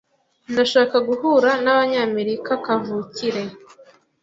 Ndashaka guhura nabanyamerika kavukire.